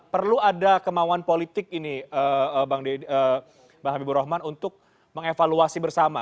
perlu ada kemauan politik ini bang habibur rahman untuk mengevaluasi bersama